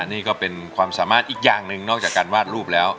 นี่ก็เป็นความสามารถอีกอย่างหนึ่งนอกจากการวาดรูปแล้ว